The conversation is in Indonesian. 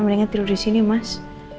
mereka tidur di sini mas